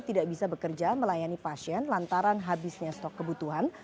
tidak bisa bekerja melayani pasien lantaran habisnya stok kebutuhan